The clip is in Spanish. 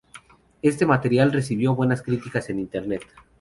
Este material recibió buenas críticas en Internet.